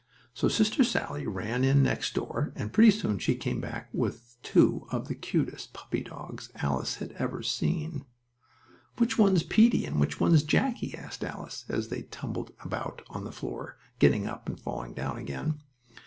So Sister Sallie ran in next door, and pretty soon she came back with two of the cutest puppy dogs Alice had ever seen. "Which one is Peetie and which one is Jackie?" Alice asked, as they tumbled about on the floor, getting up and falling down again.